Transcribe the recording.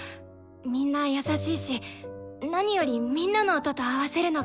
みんな優しいし何よりみんなの音と合わせるのが楽しいんだ！